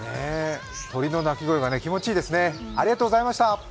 鳥の鳴き声が気持ちいいですね。